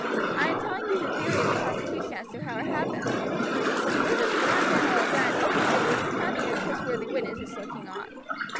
I am telling you the theory of the prosecution as to how it happened. Murders are not generally done in open day with plenty of trustworthy witnesses looking on.